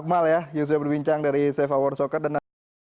akmal ya yang sudah berbincang dari seva world soccer dan